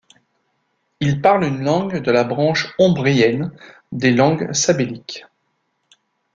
Ils parlent une langue de la branche ombrienne des langues sabelliques.